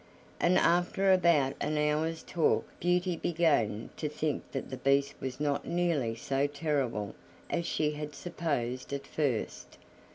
And after about an hour's talk Beauty began to think that the Beast was not nearly so terrible as she had supposed at first.